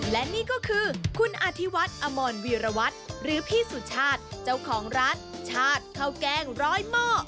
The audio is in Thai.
และนี่ก็คือคุณอธิวัฒน์อมรวีรวัตรหรือพี่สุชาติเจ้าของร้านชาติข้าวแกงร้อยหม้อ